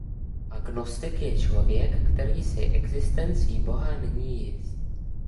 Agnostik je člověk, který si existencí Boha není jist.